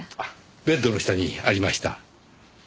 ベッドの下にありました。